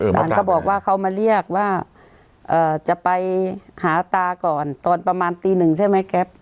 หลานก็บอกว่าเขามาเรียกว่าจะไปหาตาก่อนตอนประมาณตีหนึ่งใช่ไหมแก๊ป